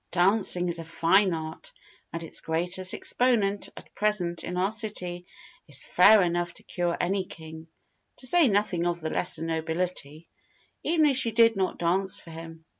Dancing is a fine art, and its greatest exponent at present in our city is fair enough to cure any King (to say nothing of the lesser nobility) even if she did not dance for him.